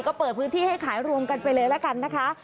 ก็เปิดพื้นที่ให้ขายรวมกันไปเลยละกันนะคะ